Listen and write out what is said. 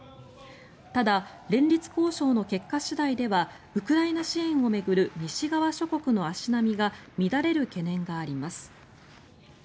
ただ、連立交渉の結果次第ではウクライナ支援を巡る西側諸国の足並みが乱れる懸念があります。